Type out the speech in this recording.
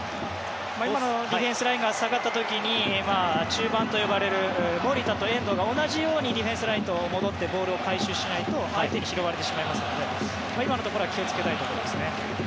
今のディフェンスラインが下がった時に中盤と呼ばれる守田と遠藤が同じようにディフェンスラインに戻ってボールを回収しないと相手に拾われてしまいますので今のところは気をつけたいところですね。